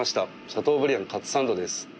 シャトーブリアンのカツサンドです。